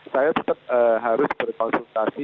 saya tetap harus berkonsultasi